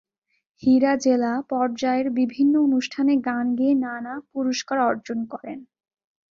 হীরা জেলা পর্যায়ের বিভিন্ন অনুষ্ঠানে গান গেয়ে নানা পুরস্কার অর্জন করেন।